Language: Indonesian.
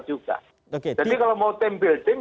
juga jadi kalau mau time building